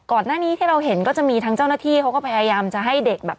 ก่อนหน้านี้ที่เราเห็นก็จะมีทั้งเจ้าหน้าที่เขาก็พยายามจะให้เด็กแบบ